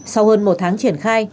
sau hơn một tháng triển khai